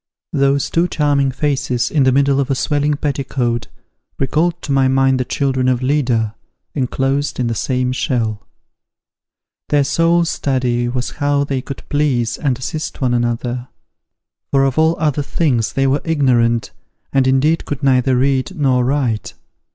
Those two charming faces in the middle of a swelling petticoat, recalled to my mind the children of Leda, enclosed in the same shell. Their sole study was how they could please and assist one another; for of all other things they were ignorant, and indeed could neither read nor write.